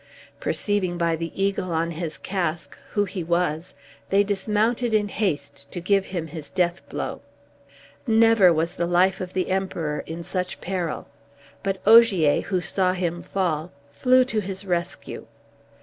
Perceiving by the eagle on his casque who he was, they dismounted in haste to give him his deathblow. Never was the life of the Emperor in such peril. But Ogier, who saw him fall, flew to his rescue.